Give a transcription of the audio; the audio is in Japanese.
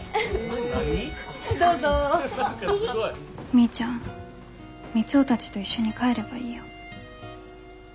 みーちゃん三生たちと一緒に帰ればいいよ。